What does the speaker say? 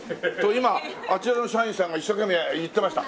今あちらの社員さんが一生懸命言ってました。